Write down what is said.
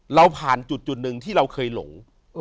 เราผ่านจุดหนึ่งที่เราเคยหลง